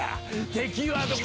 敵はどこ。